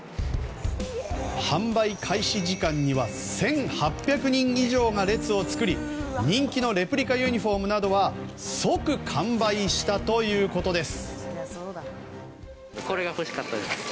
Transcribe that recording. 販売開始時間には１８００人以上が列を作り人気のレプリカユニホームなどは即完売したということです。